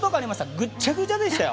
ぐっちゃぐちゃでしたよ！